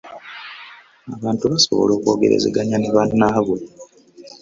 Abantu basobola okwogerezeganya ne banaabwe.